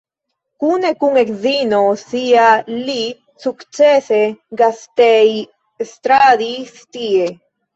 Kune kun edzino sia li sukcese gastej-estradis tie.